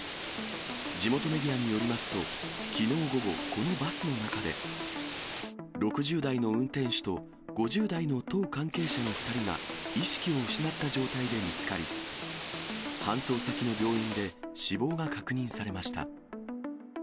地元メディアによりますと、きのう午後、このバスの中で、６０代の運転手と５０代の党関係者の２人が、意識を失った状態で見つかり、搬送先の病院で死亡が確認されました。